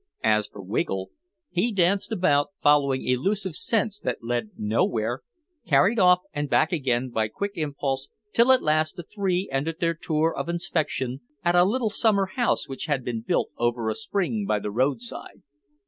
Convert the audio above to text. As for Wiggle he danced about, following elusive scents that led nowhere, carried off and back again by quick impulse, till at last the three ended their tour of inspection at a little summer house which had been built over a spring by the roadside.